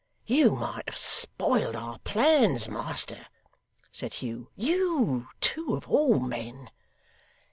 'You might have spoiled our plans, master,' said Hugh. 'YOU, too, of all men!